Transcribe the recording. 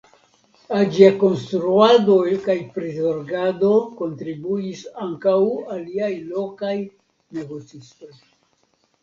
Al ĝia konstruado kaj prizorgado kontribuis ankaŭ aliaj lokaj negocistoj.